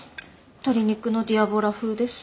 鶏肉のディアボラ風です。